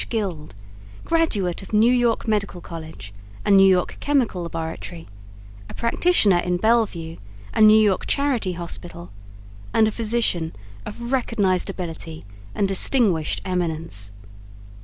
Guild, graduate of New York Medical College and New York Chemical Laboratory, a practitioner in Bellevue and New York Charity Hospital, and a physician of recognized ability and distinguished eminence.